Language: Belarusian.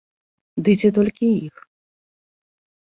Ды ці толькі іх?